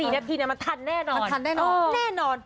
๔นาทีมันทันแน่นอน